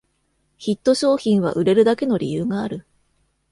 ヒット商品は売れるだけの理由がある